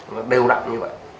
nó đều đặn như vậy